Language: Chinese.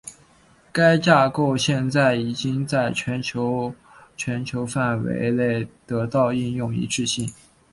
该架构现在已经在全球全球范围内得到应用一致性。